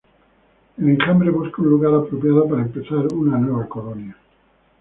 El enjambre busca un lugar apropiado para empezar una nueva colonia.